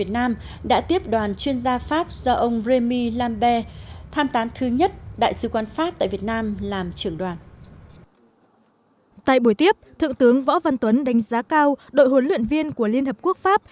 tại buổi tiếp thượng tướng võ văn tuấn đánh giá cao đội huấn luyện viên của liên hợp quốc pháp